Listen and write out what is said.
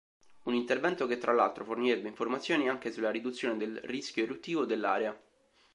Un intervento che tra l'altro fornirebbe informazioni anche sulla riduzione del rischio eruttivo dell'area.